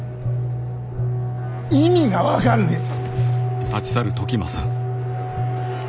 意味が分かんねえ！